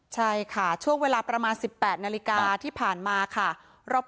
ใช่ค่ะช่วงเวลาประมาณ๑๘นาฬิกาที่ผ่านมาค่ะ